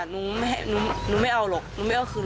อ่าหูนภารกิจ